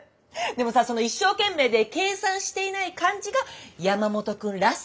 でもさその一生懸命で計算していない感じが山本君らしさなのよ。